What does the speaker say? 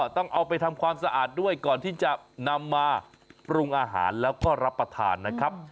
ต้องเอาไปทำความสะอาดด้วยก่อนที่จะนำมาปรุงอาหารแล้วก็รับประทานนะครับ